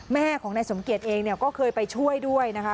แม่ของนายสมเกียจเองเนี่ยก็เคยไปช่วยด้วยนะคะ